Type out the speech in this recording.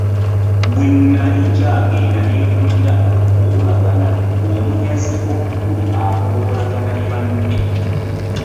Bwe nali nkyagenda ne mpulira okukoowoolagana ng'omunyazi omukulu akoowoolagana ne banne.